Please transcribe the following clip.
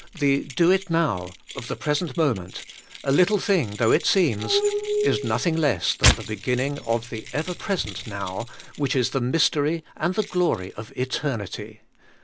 The do it now of the present moment — a little thing though it seems — is nothing less than the beginning of the ever present now, which is the mys tery and the glory of Eternity.